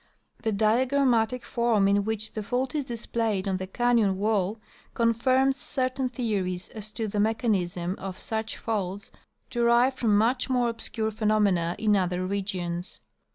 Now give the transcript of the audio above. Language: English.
The diagramatic form in which the fault is displayed on the canyon wall confirms cer tain theories as to the mechanism of such faults derived from much more obscure phenomena in other regions.